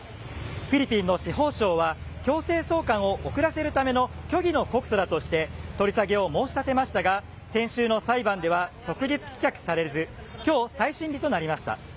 フィリピンの司法省は、強制送還を遅らせるための虚偽の告訴だとして、取り下げを申し下げましたが、先週の裁判では即日棄却されず、きょう、再審理となりました。